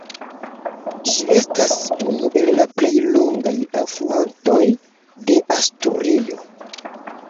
Ĝi estas unu el la plej longaj alfluantoj de Asturio.